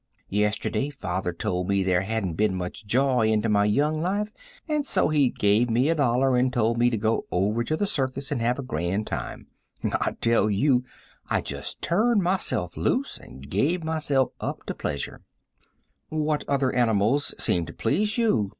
Yesterday father told me there hadn't been much joy into my young life, and so he gave me a dollar and told me to go over to the circus and have a grand time. I tell you, I just turned myself loose and gave myself up to pleasure." [Illustration: I WAS A POOR CONVERSATIONALIST.] "What other animals seemed to please you?"